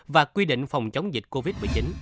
và quy định phòng chống dịch covid một mươi chín